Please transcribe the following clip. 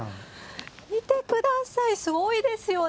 見てください、すごいですよね。